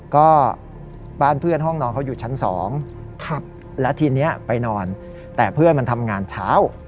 ก็บ้านเพื่อนห้องนอนเขาอยู่ชั้น๒และทีนี้ไปนอนแต่เพื่อนมันทำงานเช้า